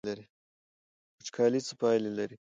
وچکالي څه پایلې لري؟